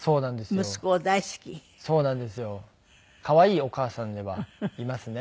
可愛いお母さんではいますね。